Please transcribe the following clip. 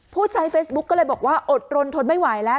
ผู้ใช้เฟซบุ๊กก็เลยบอกว่าอดรนทนไม่ไหวแล้ว